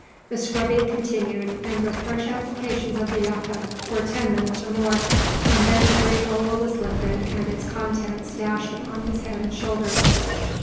The scrubbing continued, with fresh applications of the yucca, for ten minutes or more; and then the great olla was lifted, and its contents dashed upon his head and shoulders.